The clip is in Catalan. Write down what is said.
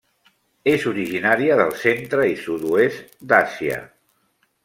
És originària del centre i sud-oest d'Àsia.